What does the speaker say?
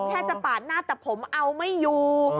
แค่จะปาดหน้าแต่ผมเอาไม่อยู่